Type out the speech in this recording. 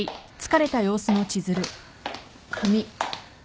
髪。